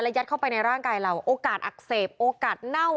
ยัดเข้าไปในร่างกายเราโอกาสอักเสบโอกาสเน่า